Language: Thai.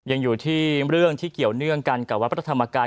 ยังอยู่ที่เรื่องที่เกี่ยวเนื่องกันกับวัดพระธรรมกาย